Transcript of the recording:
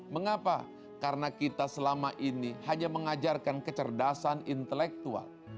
mengapa karena kita selama ini hanya mengajarkan kecerdasan intelektual